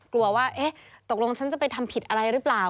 กลัวว่าเอ๊ะตกลงฉันจะไปทำผิดอะไรหรือเปล่า